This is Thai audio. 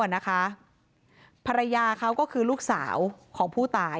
นายสาราวุธคนก่อเหตุอยู่ที่บ้านกับนางสาวสุกัญญาก็คือภรรยาเขาอะนะคะ